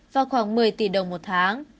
và khoảng một mươi tỷ đồng một tháng